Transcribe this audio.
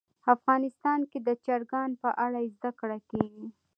افغانستان کې د چرګان په اړه زده کړه کېږي.